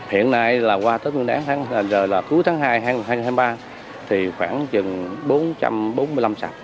hiện nay là qua tết nguyên đáng rồi là cuối tháng hai hai nghìn hai mươi ba thì khoảng chừng bốn trăm bốn mươi năm sạp